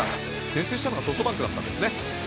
先制したのはソフトバンクだったんですね。